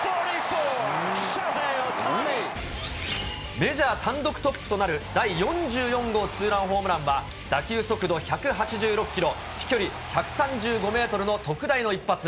メジャー単独トップとなる第４４号ツーランホームランは打球速度１８６キロ、飛距離１３５メートルの特大の一発。